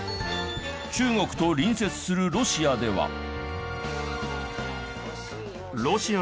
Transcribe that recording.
中国と隣接するロシアでは。